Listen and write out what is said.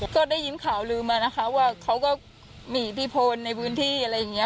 ก็ได้ยินข่าวลืมมานะคะว่าเขาก็มีอิทธิพลในพื้นที่อะไรอย่างนี้